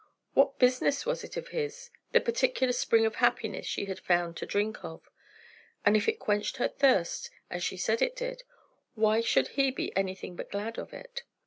What business was it of his, the particular spring of happiness she had found to drink of? and if it quenched her thirst, as she said it did, why should he be anything but glad of it?